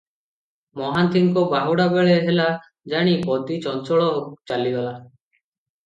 ମହାନ୍ତିଙ୍କ ବାହୁଡ଼ା ବେଳ ହେଲା ଜାଣି ପଦୀ ଚଞ୍ଚଳ ଚାଲିଗଲା ।